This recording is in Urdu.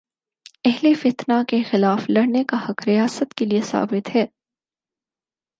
اہل فتنہ کے خلاف لڑنے کا حق ریاست کے لیے ثابت ہے۔